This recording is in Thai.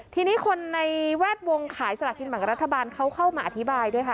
ทีนี้คนในแวดวงขายสลากินแบ่งรัฐบาลเขาเข้ามาอธิบายด้วยค่ะ